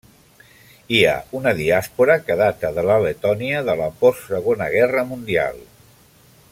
Hi ha una diàspora que data de la Letònia de la post Segona Guerra Mundial.